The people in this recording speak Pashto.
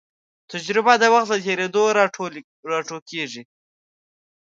تجربه د وخت له تېرېدو راټوکېږي.